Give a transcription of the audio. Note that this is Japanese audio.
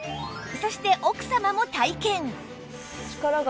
そして奥様も体験！